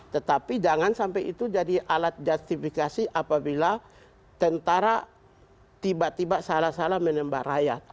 tetapi jangan sampai itu jadi alat justifikasi apabila tentara tiba tiba salah salah menembak rakyat